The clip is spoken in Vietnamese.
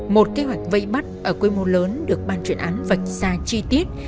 một kế hoạch vây bắt ở quy mô lớn được bàn truyền án vạch ra chi tiết